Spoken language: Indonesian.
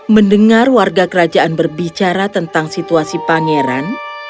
mendengar warga kerajaan berbicara tentang situasi pangeran